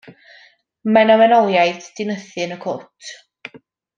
Mae 'na wenoliaid 'di nythu yn y cwt.